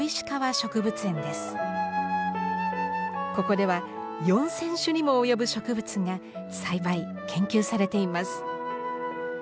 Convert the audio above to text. ここでは４，０００種にも及ぶ植物が栽培研究されています。